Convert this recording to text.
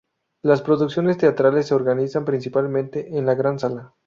La Producciones teatrales se organizan principalmente en la gran sala.